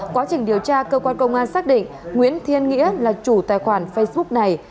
quá trình điều tra cơ quan công an xác định nguyễn thiên nghĩa là chủ tài khoản facebook này